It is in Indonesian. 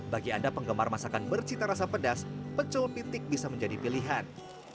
bagi anda penggemar masakan bercita rasa pedas pecel pintik bisa menjadi pilihan